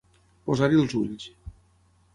Posar-hi els ulls.